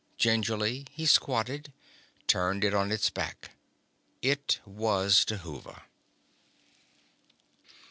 Gingerly he squatted, turned it on its back. It was Dhuva.